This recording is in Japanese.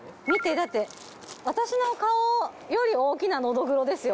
だって私の顔より大きなノドグロですよ。